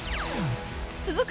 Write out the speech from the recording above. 続く